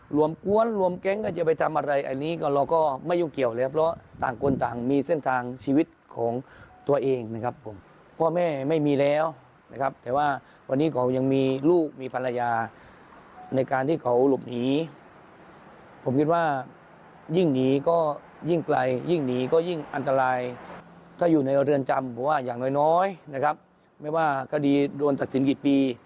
กวนรวมแก๊งก็จะไปทำอะไรอันนี้ก็เราก็ไม่ยุ่งเกี่ยวเลยครับเพราะต่างคนต่างมีเส้นทางชีวิตของตัวเองนะครับผมพ่อแม่ไม่มีแล้วนะครับแต่ว่าวันนี้เขายังมีลูกมีภรรยาในการที่เขาหลบหนีผมคิดว่ายิ่งหนีก็ยิ่งไกลยิ่งหนีก็ยิ่งอันตรายถ้าอยู่ในเรือนจำเพราะว่าอย่างน้อยน้อยนะครับไม่ว่าคดีโดนตัดสินกี่ปี